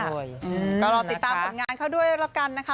ก็รอติดตามผลงานเขาด้วยแล้วกันนะคะ